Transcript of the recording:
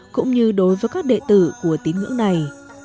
cũng như đối với các đệ tử của tín ngưỡng này